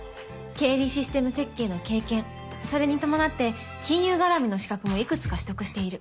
経理システム設計の経験それに伴って金融がらみの資格もいくつか取得している。